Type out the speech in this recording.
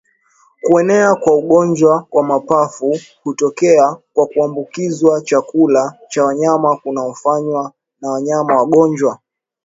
Kuenea kwa ugonjwa wa mapafu hutokea kwa kuambukiza chakula cha wanyama kunakofanywa na wanyama wagonjwa